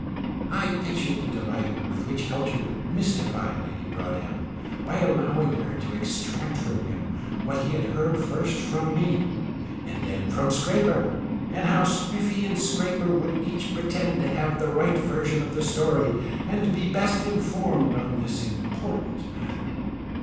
I pictured the delight with which Helter would mystify Lady Broadhem, by allowing her to extract from him what he had heard first from me and then from Scraper, and how Spiffy and Scraper would each pretend to have the right version of the story, and be best informed on this important matter.